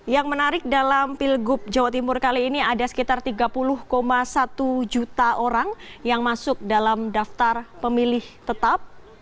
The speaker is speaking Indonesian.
yang menarik dalam pilgub jawa timur kali ini ada sekitar tiga puluh satu juta orang yang masuk dalam daftar pemilih tetap